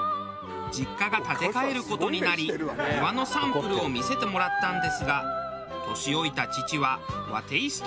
実家が建て替える事になり庭のサンプルを見せてもらったのですが年老いた父は和テイストを推し